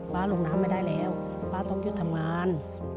ป๊าหลุดน้ำไม่ได้แล้วต้องหยุดทำงาน